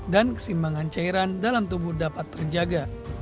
dan kesimbangan cairan dalam tubuh dapat terjaga